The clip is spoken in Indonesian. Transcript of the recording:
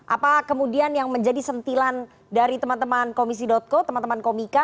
apa kemudian yang menjadi sentilan dari teman teman komisi co teman teman komika